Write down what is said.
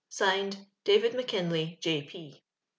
(Signed) David Mackimlay, J. P.